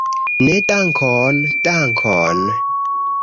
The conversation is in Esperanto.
Ne, dankon, dankon.